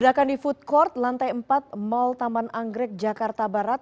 ledakan di food court lantai empat mall taman anggrek jakarta barat